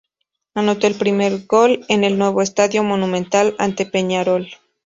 Anotó el primer gol en el nuevo Estadio Monumental, ante Peñarol.